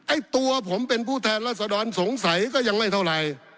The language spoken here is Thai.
ไอ้ตัวผมเป็นผู้แทนรัศดรสงสัยก็ยังไม่เท่าไหร่